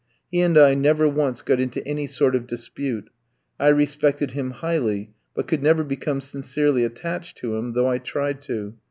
He and I never once got into any sort of dispute; I respected him highly, but could never become sincerely attached to him, though I tried to.